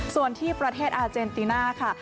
ส่วนที่ประเทศอาเจนติน่าค่ะ